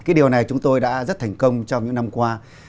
cái điều này chúng tôi đã rất thành công trong những năm qua